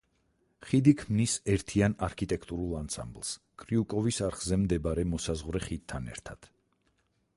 ხიდი ქმნის ერთიან არქიტექტურულ ანსამბლს კრიუკოვის არხზე მდებარე მოსაზღვრე ხიდთან ერთად.